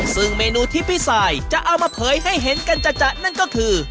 ซึ่งเมนูที่พี่สายจะเอามาเผยให้เห็นกันจัดนั่นก็คือ